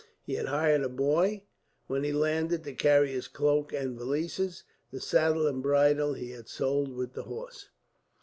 He had hired a boy, when he landed, to carry his cloak and valises. The saddle and bridle he had sold with the horse.